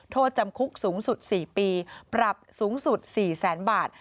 โทษจำคุกสูงสุด๔ปีปรับสูงสุด๔แสนบาท